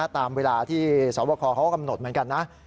ตามเวลาที่สวบคเขาก็กำหนดเหมือนกันนะ